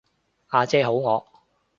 呀姐好惡